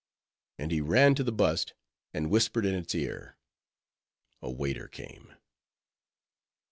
And he ran to the bust, and whispered in its ear. A waiter came.